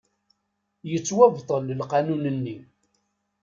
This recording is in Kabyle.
Yettwabṭel lqanun-nni.